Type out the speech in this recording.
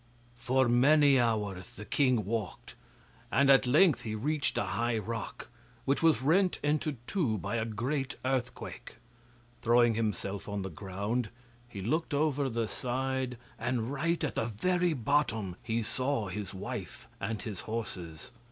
For many hours the king walked, and at length he reached a high rock, which was rent into two by a great earthquake. Throwing himself on the ground he looked over the side, and right at the very bottom he saw his wife and his horses.